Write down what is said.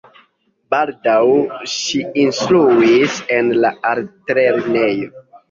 Baldaŭ ŝi instruis en la altlernejo.